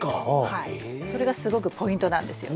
はいそれがすごくポイントなんですよ。